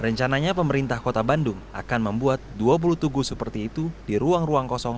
rencananya pemerintah kota bandung akan membuat dua puluh tugu seperti itu di ruang ruang kosong